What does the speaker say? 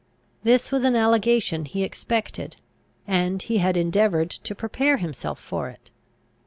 This was an allegation he expected, and he had endeavoured to prepare himself for it.